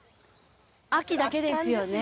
秋だけですよね？